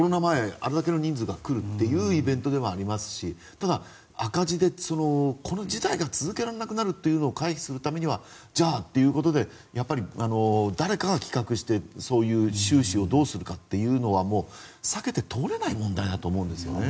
あれだけの人数が来るというイベントではありますしただ、赤字でこれ自体が続けられなくなるということを回避するためにはじゃあということで誰かが企画して収支をどうするかというのは避けて通れないんだと思うんですよね。